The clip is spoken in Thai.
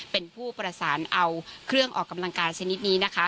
เป็นผู้ประสานเอาเครื่องออกกำลังกายชนิดนี้นะคะ